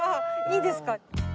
いいですか？